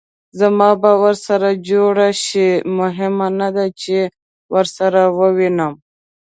زما به ورسره جوړه شي؟ مهمه نه ده چې ورسره ووینې.